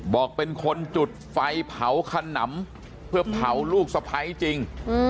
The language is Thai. บอกเป็นคนจุดไฟเผาขนำเพื่อเผาลูกสะพ้ายจริง